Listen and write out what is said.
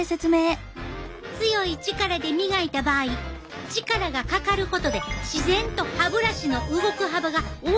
強い力で磨いた場合力がかかることで自然と歯ブラシの動く幅が大きくなるやろ。